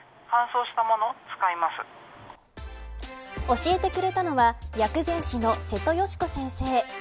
教えてくれたのは薬膳師の瀬戸佳子先生。